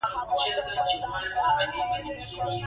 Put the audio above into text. د پلیور دریڅه خلاصه او پاسته شوي توکي داخلوي.